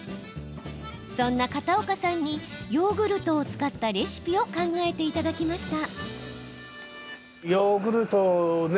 そんな片岡さんにヨーグルトを使ったレシピを考えていただきました。